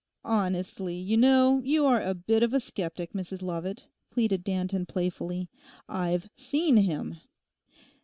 'Honestly, you know, you are a bit of a sceptic, Mrs Lovat,' pleaded Danton playfully. 'I've seen him.